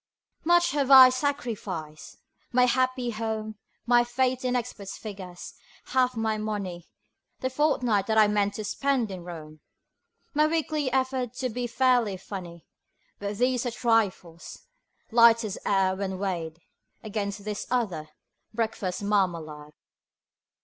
Much have I sacrificed: my happy home, My faith in experts' figures, half my money, The fortnight that I meant to spend in Rome, My weekly effort to be fairly funny; But these are trifles, light as air when weighed Against this other Breakfast Marmalade.